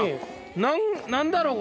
何だろう？